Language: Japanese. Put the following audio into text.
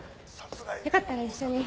よかったら一緒に。